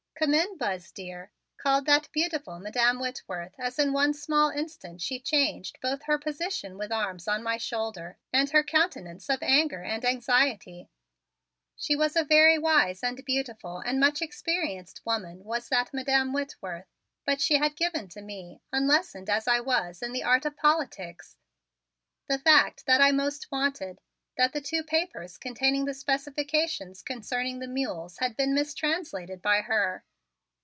"Come in, Buzz, dear," called that beautiful Madam Whitworth as in one small instant she changed both her position with arms on my shoulder and her countenance of anger and anxiety. She was a very wise and beautiful and much experienced woman, was that Madam Whitworth, but she had given to me, unlessoned as I was in the art of politics, the fact that I most wanted: that the two papers containing the specifications concerning the mules had been mistranslated by her.